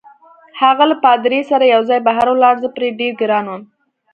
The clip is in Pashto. هغه له پادري سره یوځای بهر ولاړ، زه پرې ډېر ګران وم.